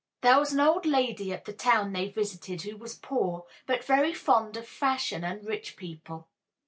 There was an old lady at the town they visited who was poor, but very fond of fashion and rich people.